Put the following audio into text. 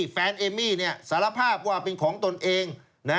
เอมมี่สารภาพว่าเป็นของตนเอง